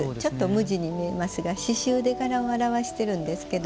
無地に見えますが、刺しゅうで柄をあらわしているんですが。